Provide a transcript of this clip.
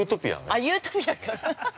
◆あっ、ユートピアか、ハハハ。